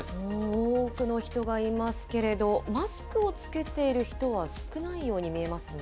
多くの人がいますけれど、マスクを着けている人は少ないように見えますね。